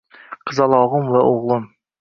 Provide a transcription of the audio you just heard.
Qizalog’im va o’g’lim.